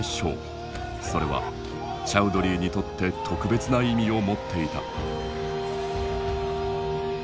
それはチャウドリーにとって特別な意味を持っていた。